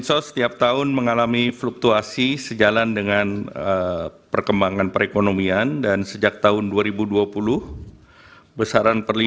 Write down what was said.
stop dulu pak menteri